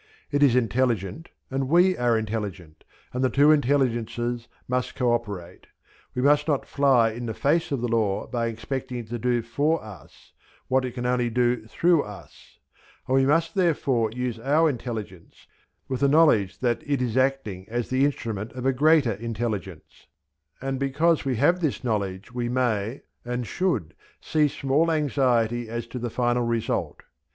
It is intelligent and we are intelligent, and the two intelligences must co operate. We must not fly in the face of the Law by expecting it to do for us what it can only do through us; and we must therefore use our intelligence with the knowledge that it is acting as the instrument of a greater intelligence; and because we have this knowledge we may, and should, cease from all anxiety as to the final result.